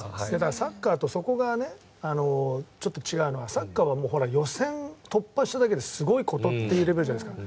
サッカーとそこが、ちょっと違うのがサッカーは予選突破しただけですごいことってレベルじゃないですか。